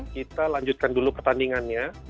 kita lanjutkan dulu pertandingannya